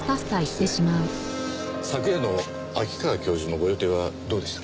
昨夜の秋川教授のご予定はどうでした？